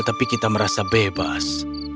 tapi kita merasa bebas